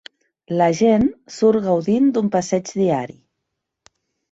La gent surt gaudint d'un passeig diari.